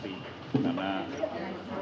kita mau mencabar